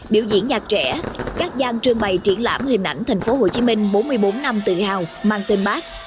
biểu diễn nhạc trẻ các gian trương bày triển lãm hình ảnh thành phố hồ chí minh bốn mươi bốn năm tự hào mang tên bác